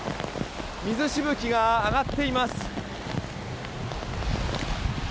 水しぶきが上がっています。